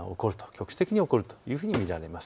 局地的に起こるというふうに見られます。